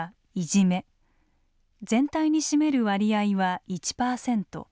全体に占める割合は１％。